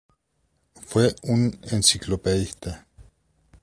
Fue un enciclopedista.